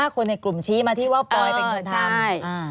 คนในกลุ่มชี้มาที่ว่าปอยเป็นคนทำ